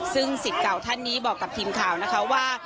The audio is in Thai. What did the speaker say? ซึ่งสิทธิ์เก่าท่านนี้บอกกับทีมข่าวนะคะว่า